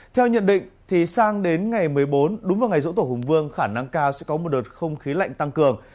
theo nhận định sang đến ngày một mươi bốn đúng vào ngày dỗ tổ hùng vương khả năng cao sẽ có một đợt không khí lạnh tăng cường